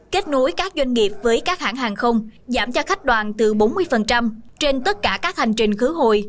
kết nối các doanh nghiệp với các hãng hàng không giảm cho khách đoàn từ bốn mươi trên tất cả các hành trình khứ hồi